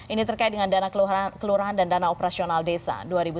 ini terkait dengan dana kelurahan dan dana operasional desa dua ribu tujuh belas